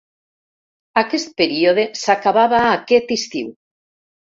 Aquest període s’acabava aquest estiu.